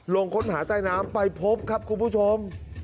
ลงค้นหาใต้น้ำไปพบครับคุณผู้ชม